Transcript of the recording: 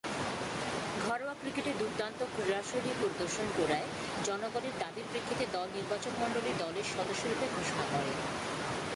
ঘরোয়া ক্রিকেটে দূর্দান্ত ক্রীড়াশৈলী প্রদর্শন করায় জনগণের দাবীর প্রেক্ষিতে দল নির্বাচকমণ্ডলী দলের সদস্যরূপে ঘোষণা করে।